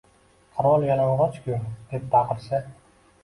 “Qirol yalang‘och-ku! “deb baqirsa